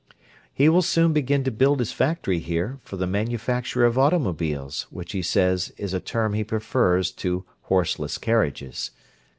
He will soon begin to build his factory here for the manufacture of automobiles, which he says is a term he prefers to "horseless carriages."